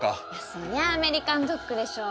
そりゃあアメリカンドッグでしょう